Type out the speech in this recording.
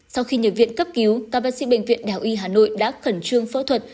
sau khi nhập viện cấp cứu các bác sĩ bệnh viện đại học y hà nội đã khẩn trương phẫu thuật